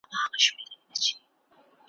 زړه دي خپل خدای نګهبان دی توکل کوه تېرېږه `